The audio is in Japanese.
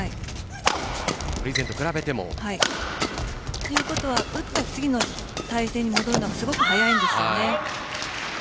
以前と比べても？ということは打った次の体勢に戻るためにすごく早いんですね。